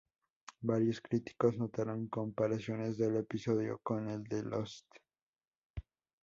Varios críticos notaron comparaciones del episodio con el de "Lost".